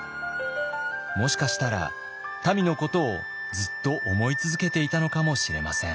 もしかしたらたみのことをずっと思い続けていたのかもしれません。